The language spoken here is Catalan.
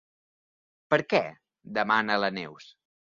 Per què? —demana la Neus.